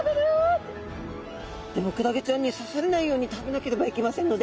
でもクラゲちゃんにさされないように食べなければいけませんので。